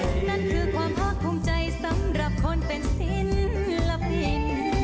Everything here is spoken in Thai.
นั่นคือความภาคภูมิใจสำหรับคนเป็นศิลปิน